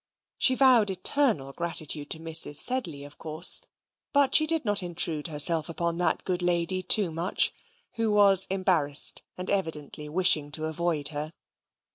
She vowed eternal gratitude to Mrs. Sedley, of course; but did not intrude herself upon that good lady too much, who was embarrassed, and evidently wishing to avoid her.